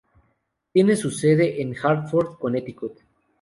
Tiene su sede en Hartford, Connecticut.